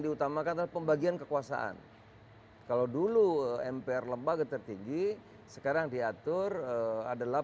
diutamakan adalah pembagian kekuasaan kalau dulu mpr lembaga tertinggi sekarang diatur adalah